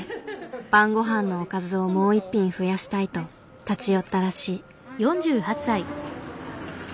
晩ごはんのおかずをもう一品増やしたいと立ち寄ったらしい。